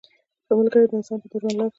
• ښه ملګری انسان ته د ژوند لاره ښیي.